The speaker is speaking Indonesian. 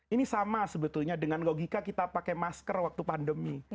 ini sama sebetulnya dengan logika kita pakai masker waktu pandemi